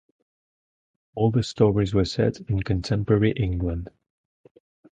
All the stories were set in contemporary England.